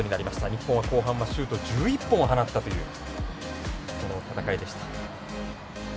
日本は後半、シュート１４本を放ったという、この戦いでした。